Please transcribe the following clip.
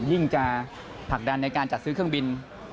ยิ่งจะผลักดันในการจัดซื้อเครื่องบิน